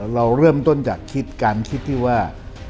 เราเริ่มต้นจากคิดการคิดที่ว่า